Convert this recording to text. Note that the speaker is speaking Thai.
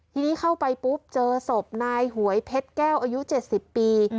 ทีนี้เข้าไปปุ๊บเจอศพนายหวยเพชรแก้วอายุ๗๐ปี